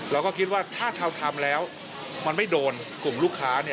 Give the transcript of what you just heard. เราก็คิดว่าถ้าเราทำแล้วมันไม่โดนกลุ่มลูกค้า